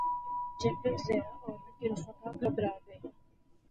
General Zia اور ان کے رفقاء گھبرا گئے۔